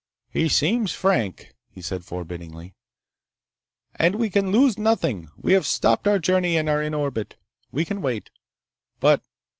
"He seems frank," he said forbiddingly, "and we can lose nothing. We have stopped our journey and are in orbit. We can wait. But